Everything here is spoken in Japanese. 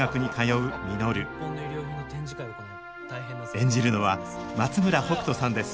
演じるのは松村北斗さんです